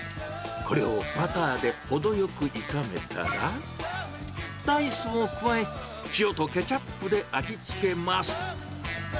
これをバターで程よく炒めたら、ライスを加え、塩とケチャップで味付けます。